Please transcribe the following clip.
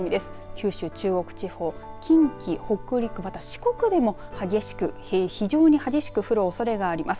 九州、中国地方、近畿、北陸また四国でも非常に激しく降るおそれがあります。